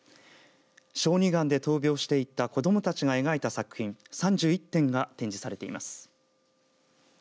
小児がんで闘病していた子どもたちが描いた作品３１点が展示されています。